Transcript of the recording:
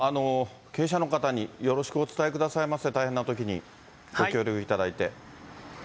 経営者の方によろしくお伝えくださいませ、大変なときにご協力いただいて。